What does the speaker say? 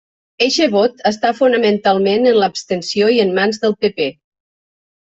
Eixe vot està fonamentalment en l'abstenció i en mans del PP.